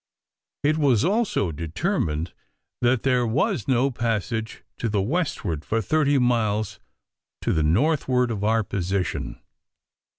It was also determined that there was no passage to the westward for 30 miles to the northward of our position.